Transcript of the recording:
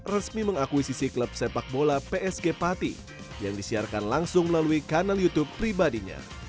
resmi mengakuisisi klub sepak bola psg pati yang disiarkan langsung melalui kanal youtube pribadinya